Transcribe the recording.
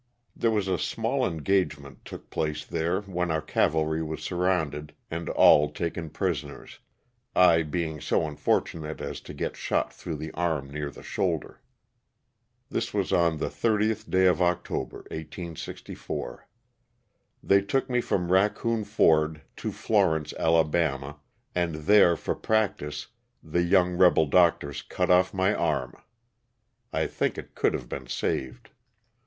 There was a small engagement took place there when our cavalry was surrounded and all taken prisoners, I being so unfortunate as to get shot through the arm near the shoulder. This was on the 30th day of October, 1864. They took me from Raccoon Ford to Florence, Ala., and there, for prac tice, the young rebel doctors cut off my arm ; I think it could have been saved.